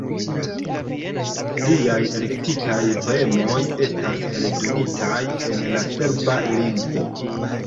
Liaj elektitaj poemoj estas eldonitaj en la serba lingvo.